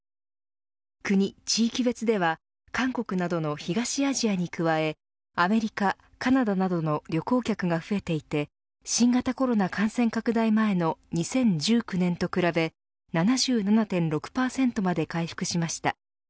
国、地域別では韓国などの東アジアに加えアメリカ、カナダなどの旅行客が増えていて新型コロナ感染拡大前の２０１９年と比べ７７．６％まで回復しました。